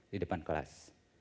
di depan kelas